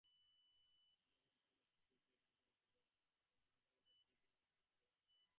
এজন্যই জায়গাটা ঢিবির মতো উঁচু হয়ে আছে।